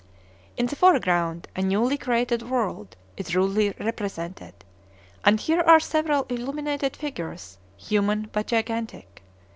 In the foreground a newly created world is rudely represented, and here are several illuminated figures, human but gigantic.